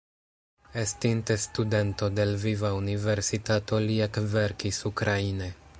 Estinte studento de Lviva Universitato li ekverkis ukraine.